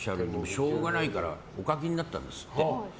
しょうがないからお書きになったんですって。